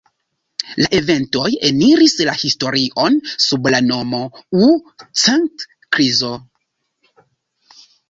La eventoj eniris la historion sub la nomo „U-Thant-krizo“.